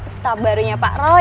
staff barunya pak roy